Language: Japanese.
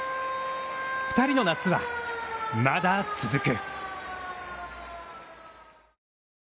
二人の夏はまだ続く。